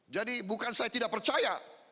jadi bukan saya tidak percaya